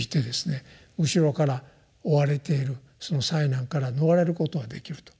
後ろから追われているその災難から逃れることができると。